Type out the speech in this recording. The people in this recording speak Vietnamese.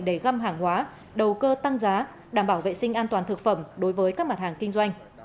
để găm hàng hóa đầu cơ tăng giá đảm bảo vệ sinh an toàn thực phẩm đối với các mặt hàng kinh doanh